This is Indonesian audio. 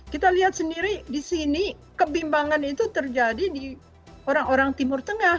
kita lihat sendiri di sini kebimbangan itu terjadi di orang orang timur tengah